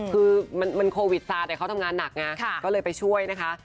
คือมันโควิดซาแต่เขาทำงานหนักไงก็เลยไปช่วยนะคะ